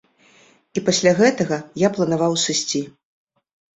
І пасля гэтага я планаваў сысці.